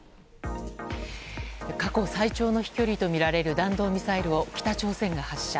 過去最長の飛距離とみられる弾道ミサイルを北朝鮮が発射。